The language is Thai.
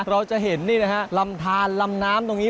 เราจะเห็นนี่นะฮะลำทานลำน้ำตรงนี้